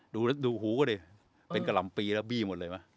ดูดูหูก็ได้เป็นกำลัมปีแล้วบี้หมดเลยไหมเออ